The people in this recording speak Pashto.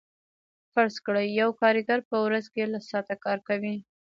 فرض کړئ یو کارګر په ورځ کې لس ساعته کار کوي